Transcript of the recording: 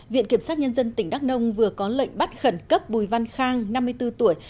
viện kiểm sát nhân dân tỉnh đắk nông vừa có lệnh bắt khẩn cấp bùi văn khang năm mươi bốn tuổi